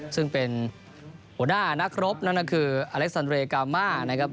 ซึ่งเป็นหัวหน้านักรบนั่นก็คืออเล็กซันเรยกามานะครับ